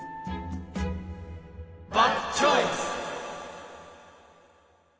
バッドチョイス！